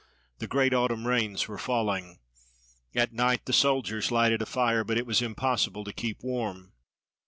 The great autumn rains were falling. At night the soldiers lighted a fire; but it was impossible to keep warm.